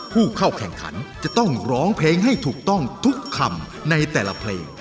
ผู้เข้าแข่งขันจะต้องร้องเพลงให้ถูกต้องทุกคำในแต่ละเพลง